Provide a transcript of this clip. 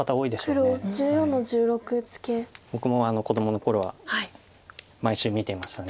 僕も子どもの頃は毎週見てました。